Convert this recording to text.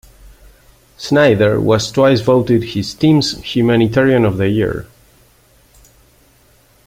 Snyder was twice voted his team's Humanitarian of the Year.